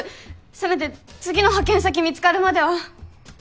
せめて次の派遣先見つかるまでは。